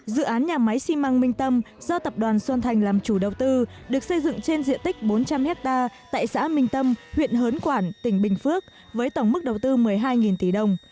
dự án nhà máy xi măng minh tâm do tập đoàn xuân thành làm chủ đầu tư được xây dựng trên diện tích bốn trăm linh hectare tại xã minh tâm huyện hớn quản tỉnh bình phước với tổng mức đầu tư một mươi hai tỷ đồng